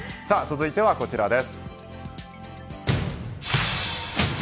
続いてはこちらです。